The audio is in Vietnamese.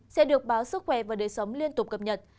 sẽ được báo sức khỏe và đời sống liên tục cập nhật